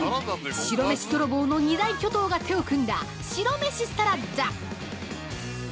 白飯泥棒の二大巨頭が手を組んだ白飯サラダ。